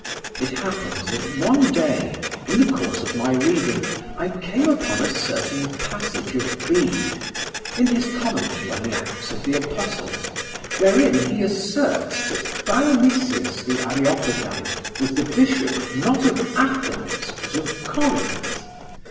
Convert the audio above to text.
It happened that one day, in the course of my reading, I came upon a certain passage of Bede, in his commentary on the Acts of the Apostles, wherein he asserts that Dionysius the Areopagite was the bishop, not of Athens, but of Corinth.